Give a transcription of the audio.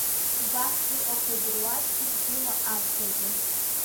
Убас иҟақәоу дыруаӡәкуп Џьума аҳәбагьы.